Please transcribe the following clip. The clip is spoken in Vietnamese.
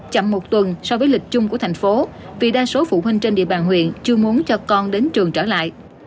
chậm một tuần so với lịch chung của thành phố vì đa số phụ huynh trên địa bàn huyện chưa muốn cho con đến trường trở lại